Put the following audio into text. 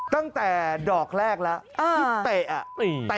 ตั้งแต่ดอกแรกแล้วที่เตะ